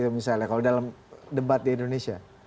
misalnya kalau dalam debat di indonesia